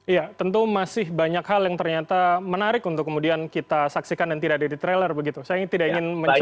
iya tentu masih banyak hal yang ternyata menarik untuk kemudian kita saksikan dan tidak ada di trailer begitu saya tidak ingin menjelaskan